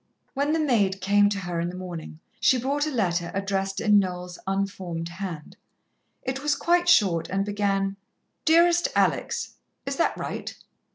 When the maid came to her in the morning, she brought a letter addressed in Noel's unformed hand. It was quite short, and began: "DEAREST ALEX (is that right?)"